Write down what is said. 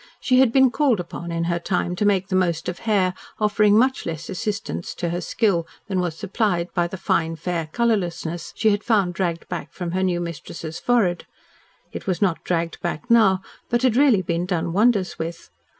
She had been called upon in her time to make the most of hair offering much less assistance to her skill than was supplied by the fine, fair colourlessness she had found dragged back from her new mistress's forehead. It was not dragged back now, but had really been done wonders with.